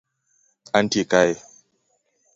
Antie kae